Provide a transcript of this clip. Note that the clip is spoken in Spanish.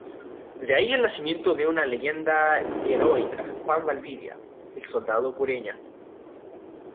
De ahí el nacimiento de una leyenda heroica, Juan Valdivia, "El soldado cureña".